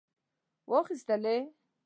واخیستلې.